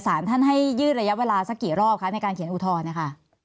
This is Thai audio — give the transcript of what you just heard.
สารท่านให้ยืดระยะเวลาสักกี่รอบคะในการเขียนอุทธรณ์นะคะ